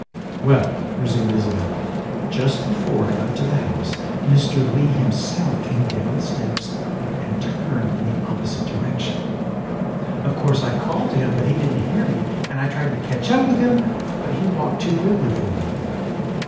" Well," resumed Isabel, " just before I got to the house Mr. Leigh himself came down the steps and turned in the opposite direction. Of course, I called to him, but he didn't hear me, and I tried to catch up with him, but he walked too quickly for me.